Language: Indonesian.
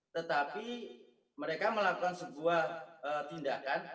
tetapi mereka melakukan sebuah tindakan